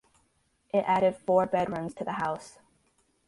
It added four bedrooms to the house.